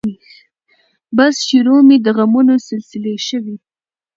بس شروع مې د غمونو سلسلې شوې